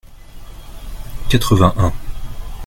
Quatre-vingt-un.